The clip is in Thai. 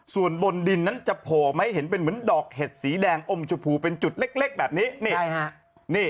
ส่วนบนดินนั้นจะโผล่มาให้เห็นเป็นเหมือนดอกเห็ดสีแดงอมชมพูเป็นจุดเล็กแบบนี้